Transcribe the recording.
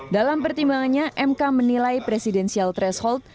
dalam pertimbangannya mk menilai presidensial threshold